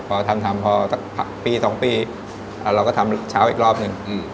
พอทำพอสักปี๒ปีเราก็ทำเช้าอีกรอบหนึ่ง